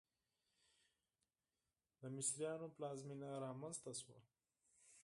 د مصریانو پلازمېنه رامنځته شوه.